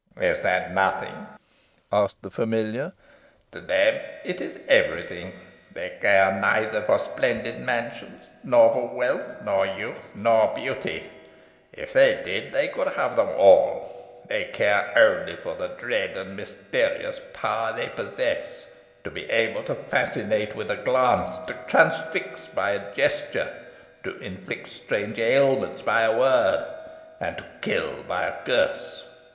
"Is that nothing?" asked the familiar. "To them it is every thing. They care neither for splendid mansions, nor wealth, nor youth, nor beauty. If they did, they could have them all. They care only for the dread and mysterious power they possess, to be able to fascinate with a glance, to transfix by a gesture, to inflict strange ailments by a word, and to kill by a curse.